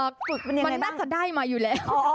จุดมันยังไงบ้างมันนักจะได้มาอยู่แล้วอ๋ออ๋อ